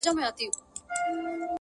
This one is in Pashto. o د خوار د ژوند كيسه ماتـه كړه.